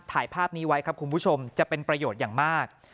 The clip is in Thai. ถ่ายภาพนี้ไว้ครับคุณผู้ชมจะเป็นประโยชน์อย่างมาก